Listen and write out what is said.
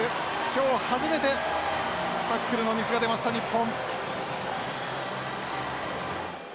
今日初めてタックルのミスが出ました日本。